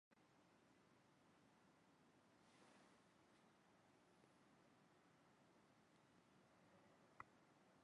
বাংলাদেশ এর সংবাদ মালিক দের সংগঠন বাংলাদেশ সংবাদপত্র পরিষদ এর সভাপতি হিসেবে তিনি দায়ীত্ব পালন করেন।